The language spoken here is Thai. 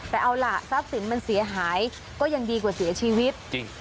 แต่เอาล่ะทรัพย์สินมันเสียหายก็ยังดีกว่าเสียชีวิตจริง